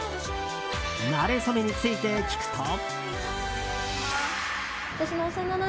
なれ初めについて聞くと。